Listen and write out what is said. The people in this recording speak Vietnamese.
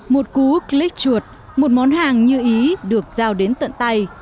một cú click chuột một món hàng như ý được giao đến tận tay